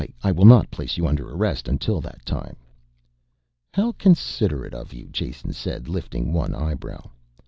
I will not place you under arrest again until that time." "How considerate of you," Jason said, lifting one eyebrow.